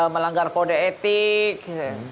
melanggar kode etik